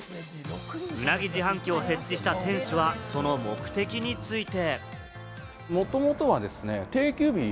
鰻自販機を設置した店主は、その目的について。